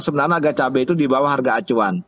sebenarnya harga cabai itu di bawah harga acuan